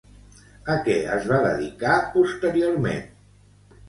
A què es va dedicar posteriorment?